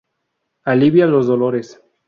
Alivia los dolores.